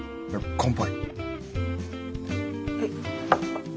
乾杯。